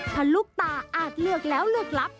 ทะลุกตาอาจเลือกแล้วเลือกลับ